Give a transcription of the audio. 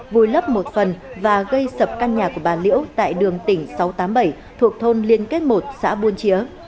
vùi lấp một phần và gây sập căn nhà của bà liễu tại đường tỉnh sáu trăm tám mươi bảy thuộc thôn liên kết một xã buôn chĩa